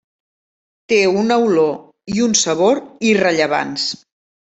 Té una olor i un sabor irrellevants.